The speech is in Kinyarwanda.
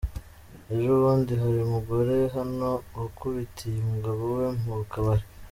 Ejobundi hari umugore hano wakubitiye umugabo we mu kabari.